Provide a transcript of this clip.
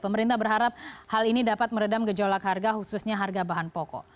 pemerintah berharap hal ini dapat meredam gejolak harga khususnya harga bahan pokok